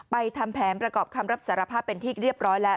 ทำแผนประกอบคำรับสารภาพเป็นที่เรียบร้อยแล้ว